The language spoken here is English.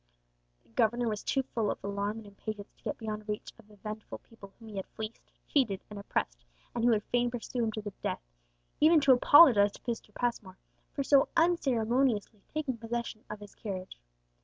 The governor was too full of alarm and impatience to get beyond reach of the vengeful people whom he had fleeced, cheated, and oppressed, and who would fain pursue him to the death, even to apologize to Mr. Passmore for so unceremoniously taking possession of his carriage.